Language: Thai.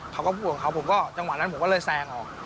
เขาก็พูดของเขาผมก็จังหวะนั้นผมก็เลยแซงออก